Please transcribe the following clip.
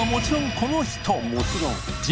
この人！